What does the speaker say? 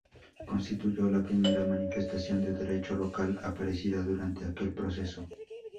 Constituyó la primera manifestación de derecho local aparecida durante aquel proceso.